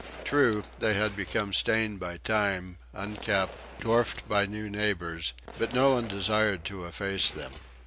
True, they had become stained by time, unkempt, dwarfed by new neighbors, but nobody desired to efface them.